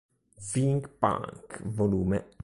Think Punk Vol.